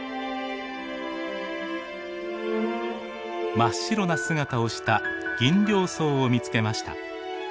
真っ白な姿をしたギンリョウソウを見つけました。